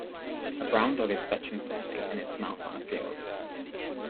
A brown dog is fetching something in its mouth on a field.